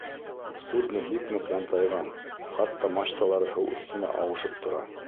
Судно бик ныҡ янтайған, хатта мачталары һыу өҫтөнә ауышып тора.